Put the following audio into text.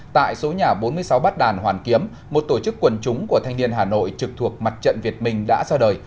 tại số nhà bốn mươi sáu bắt đàn hoàn kiếm một tổ chức quần chúng của thanh niên hà nội trực thuộc mặt trận việt minh đã ra đời